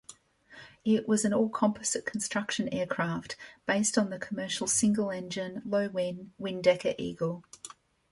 It was an all-composite construction aircraft, based on the commercial single-engine, low-wing Windecker Eagle.